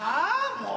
もう。